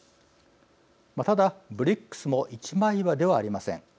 ただ、ＢＲＩＣＳも一枚岩ではありません。